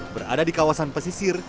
berada di kawasan pesisir